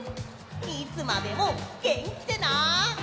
いつまでもげんきでな！